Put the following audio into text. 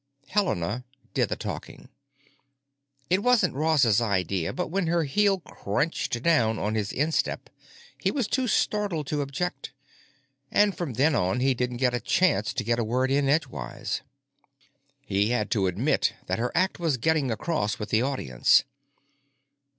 Helena did the talking. It wasn't Ross's idea, but when her heel crunched down on his instep he was too startled to object, and from then on he didn't get a chance to get a word in edgewise. He had to admit that her act was getting across with the audience.